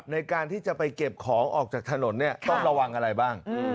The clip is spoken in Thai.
ในการที่จะไปเก็บของออกจากถนนเนี่ยต้องระวังอะไรบ้าง